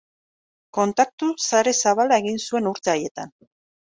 Kontaktu sare zabala egin zuen urte haietan.